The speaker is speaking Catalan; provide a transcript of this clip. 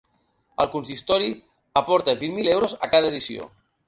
El consistori aporta vint mil euros a cada edició.